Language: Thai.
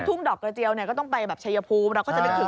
ดอกกระเจียวเนี่ยก็ต้องไปแบบชายภูมิเราก็จะนึกถึง